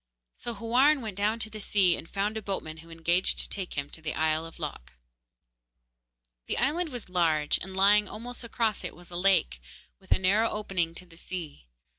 So Houarn went down to the sea, and found a boatman who engaged to take him to the isle of Lok. The island was large, and lying almost across it was a lake, with a narrow opening to the sea.